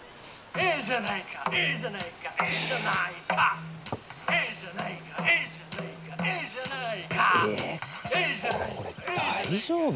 えこれ大丈夫？